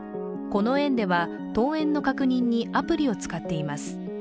この園では、登園の確認にアプリを使っています。